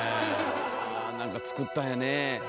何か作ったんやねえ。